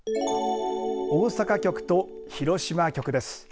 大阪局と広島局です。